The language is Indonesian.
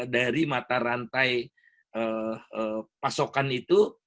dari mata rantai pasokan itu